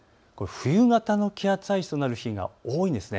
冬型の気圧配置となる日が多いんです。